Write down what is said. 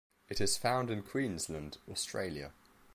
It is found in Queensland, Australia.